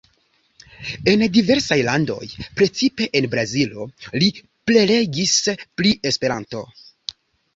En diversaj landoj, precipe en Brazilo, li prelegis pri Esperanto.